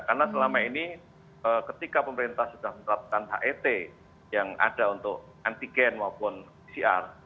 karena selama ini ketika pemerintah sudah menetapkan hit yang ada untuk antigen maupun pcr